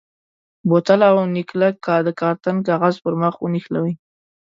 بوتل او نلکه د کارتن کاغذ پر مخ ونښلوئ.